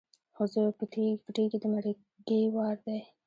ښځو پټېږی د مرګي وار دی